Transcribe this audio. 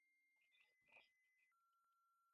They pulled bench-cars and diligences.